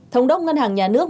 thống đốc ngân hàng nhà nước